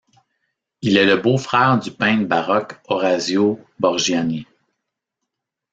Il est le beau-frère du peintre baroque Orazio Borgianni.